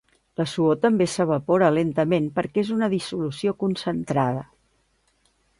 La suor també s'evapora lentament perquè és una dissolució concentrada.